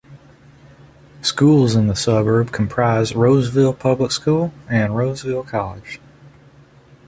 Schools in the suburb comprise Roseville Public School and Roseville College.